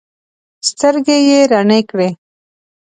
سترګې یې رڼې کړې.